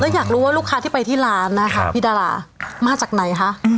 อยากรู้ว่าลูกค้าที่ไปที่ร้านนะคะพี่ดารามาจากไหนคะ